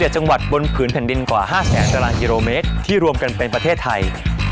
๗จังหวัดบนผืนแผ่นดินกว่า๕แสนตารางกิโลเมตรที่รวมกันเป็นประเทศไทย